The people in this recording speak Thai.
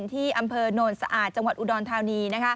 ที่อำเภอโนนสะอาดจังหวัดอุดรธานี